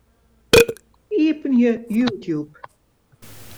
Iepenje YouTube.